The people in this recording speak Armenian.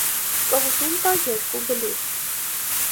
Կղզում կա երկու բլուր։